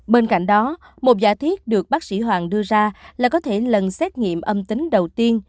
bên cạnh đó một giả thiết được bác sĩ hoàng đưa ra là có thể lần xét nghiệm âm tính đầu tiên